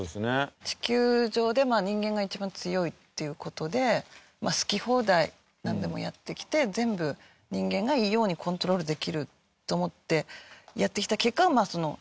地球上で人間が一番強いっていう事で好き放題なんでもやってきて全部人間がいいようにコントロールできると思ってやってきた結果がその。